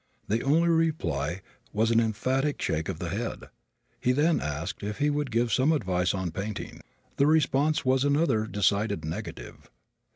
The only reply was an emphatic shake of the head. He then asked if he would give some advice on painting. The response was another decided negative.